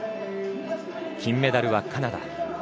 金メダルはカナダ。